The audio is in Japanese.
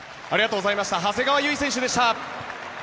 長谷川唯選手でした。